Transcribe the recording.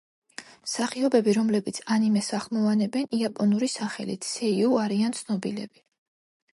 მსახიობები, რომლებიც ანიმეს ახმოვანებენ იაპონური სახელით „სეიუ“ არიან ცნობილები.